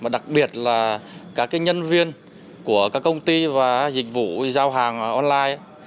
đặc biệt là các nhân viên của các công ty và dịch vụ giao hàng online